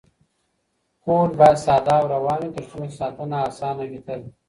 کوډ باید ساده او روان وي ترڅو ساتنه اسانه وي تل.